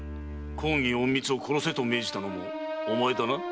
公儀隠密を殺せと命じたのもお前だな。